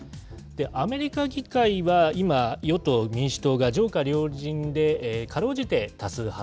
アメリカ議会は今、与党・民主党が上下両院で、かろうじて多数派